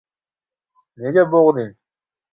Nega bo‘g‘ding?